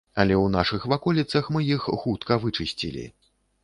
Але ў нашых ваколіцах мы іх хутка вычысцілі.